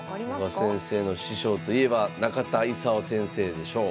古賀先生の師匠といえば中田功先生でしょう。